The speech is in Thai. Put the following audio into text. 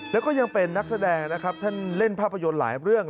แล้วก็ยังเป็นนักแสดงนะครับท่านเล่นภาพยนตร์หลายเรื่อง